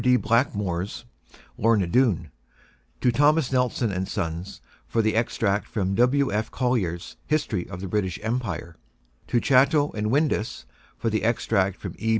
D. Blackmore's "Lorna Doone"; to Thomas Nelson & Sons for the extract from W. F. Collier's "History of the British Empire"; to Chatto and Windus for the extract from E.